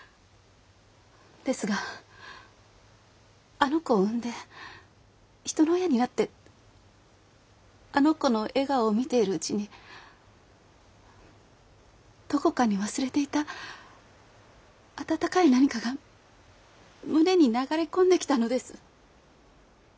ですがあの子を産んで人の親になってあの子の笑顔を見ているうちにどこかに忘れていた温かい何かが胸に流れ込んできたのです。